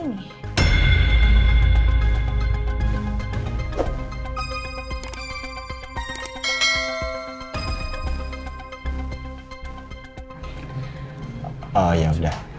nanti kita bisa lihat apa yang ada di dalamnya